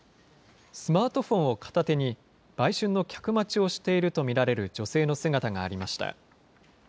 スマートフォンを片手に、売春の客待ちをしていると見られる女性の姿がありました。